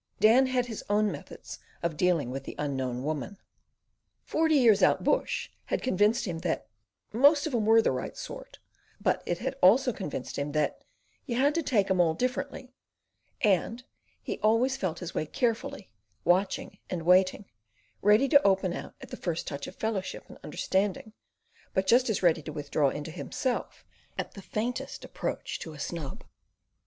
Dan had his own methods of dealing with the Unknown Woman. Forty years out bush had convinced him that "most of 'em were the right sort," but it had also convinced him that "you had to take 'em all differently," and he always felt his way carefully, watching and waiting, ready to open out at the first touch of fellowship and understanding, but just as ready to withdraw into himself at the faintest approach to a snub.